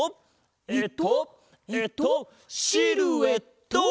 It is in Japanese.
えっとえっとシルエット！